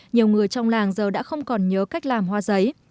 nhiều người trong làng giờ đã không còn nhớ cách làm hoa giấy